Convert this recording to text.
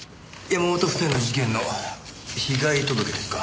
山本夫妻の事件の被害届ですか。